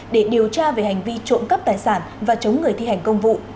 để điều tra về hành vi trộm cắp tài sản và chống người thi hành công vụ